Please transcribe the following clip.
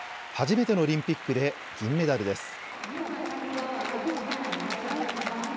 初めてのオリンピックで銀メダルです。